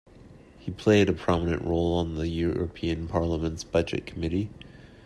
He played a prominent role on the European Parliament's budget committee.